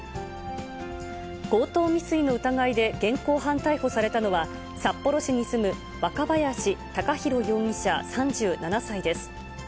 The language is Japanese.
強盗未遂の疑いで現行犯逮捕されたのは、札幌市に住む若林たかひろ容疑者３７歳です。